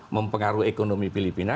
mempengaruhi ekonomi filipina